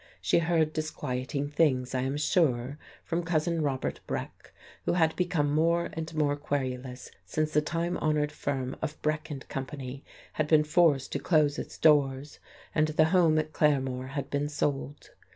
She heard disquieting things, I am sure, from Cousin Robert Breck, who had become more and more querulous since the time honoured firm of Breck and Company had been forced to close its doors and the home at Claremore had been sold.